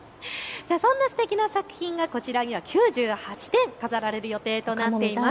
そんなすてきな作品がこちらには９８点、飾られる予定となっています。